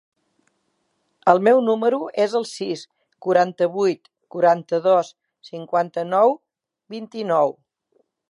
El meu número es el sis, quaranta-vuit, quaranta-dos, cinquanta-nou, vint-i-nou.